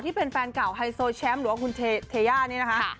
ที่เป็นแฟนเก่าไฮโซแชมป์หรือว่าคุณเทย่านี่นะคะ